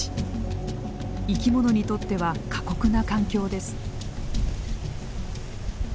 生き物にとっては過酷な環境です。